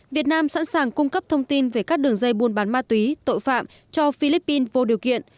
việt nam sẵn sàng cung cấp thông tin về các đường dây buôn bán ma túy tội phạm cho philippines vô điều kiện